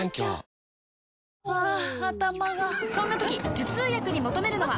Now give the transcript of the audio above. ハァ頭がそんな時頭痛薬に求めるのは？